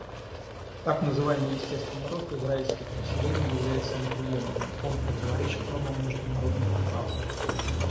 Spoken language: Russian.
Так называемый естественный рост израильских поселений является неприемлемым; он противоречит нормам международного права.